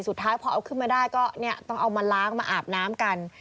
สุดท้ายพอเอาขึ้นมาได้ก็ต้องเอามาล้างมาอาบน้ำกัน